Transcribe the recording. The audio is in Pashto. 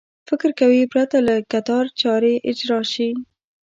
فکر کوي پرته له کتار چارې اجرا شي.